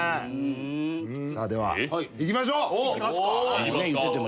ではいきましょう。